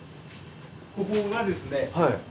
ここがですね